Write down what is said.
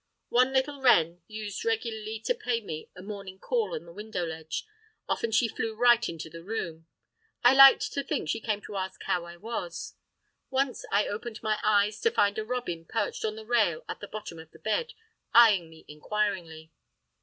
One little wren used regularly to pay me a morning call on the window ledge; often she flew right into the room. I liked to think she came to ask how I was. Once I opened my eyes to find a robin perched on the rail at the bottom of the bed, eyeing me inquiringly.